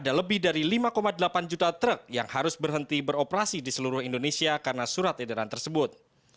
ada lebih dari lima delapan juta truk yang harus berhenti beroperasi di seluruh indonesia karena surat edaran tersebut